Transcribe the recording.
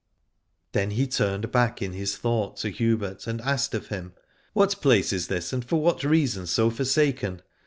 Then he turned back in his thought to Hubert, and asked of him. What place is this, and for what reason so forsaken